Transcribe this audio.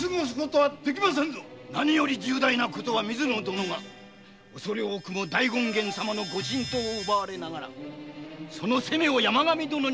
何より重大なことは水野殿が恐れ多くも大権現様の御神刀を奪われながらその責を山上殿に転じられた事でござる！